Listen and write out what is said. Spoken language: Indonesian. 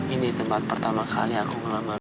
ini tempat pertama kali aku ngelamar